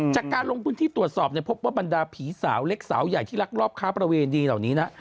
จากการลงพื้นที่ตรวจสอบเนี่ยพบว่าบรรดาผีสาวเล็กสาวใหญ่ที่รักรอบค้าประเวณดีเหล่านี้นะ